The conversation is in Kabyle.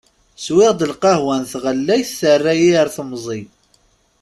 Swiɣ-d lqahwa n tɣellayt terra-yi ar temẓi.